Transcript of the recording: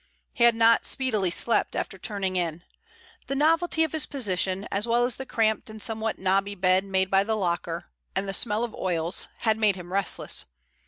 He had not speedily slept after turning in. The novelty of his position, as well as the cramped and somewhat knobby bed made by the locker, and the smell of oils, had made him restless.